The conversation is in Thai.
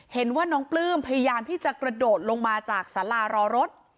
เห็นว่าน้องปลื้มพยายามที่จะกระโดดลงมาจากสารารอรถ